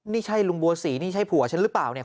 นี่ใช่ลุงบัวศรีนี่ใช่ผัวฉันหรือเปล่าเนี่ย